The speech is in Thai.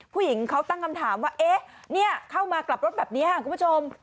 ผู้หญิงเขาตั้งคำถามว่าเอ๊ะเข้ามากลับรถแบบนี้ค่ะคุณผู้ชม